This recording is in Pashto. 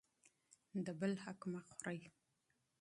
د بل حق مه خورئ.